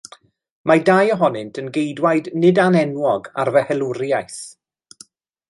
Mae dau ohonynt yn geidwaid nid anenwog ar fy helwriaeth.